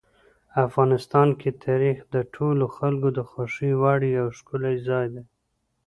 افغانستان کې تاریخ د ټولو خلکو د خوښې وړ یو ښکلی ځای دی.